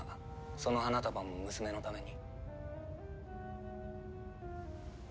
その花束も娘のために？